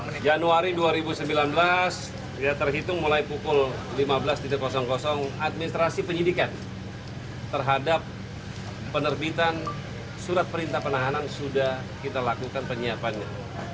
siang hari ini tanggal tiga puluh januari dua ribu sembilan belas ya terhitung mulai pukul lima belas administrasi penyidikan terhadap penerbitan surat perintah penahanan sudah kita lakukan penyiapannya